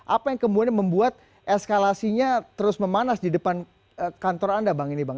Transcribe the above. apa yang kemudian membuat eskalasinya terus memanas di depan kantor anda bang ini bang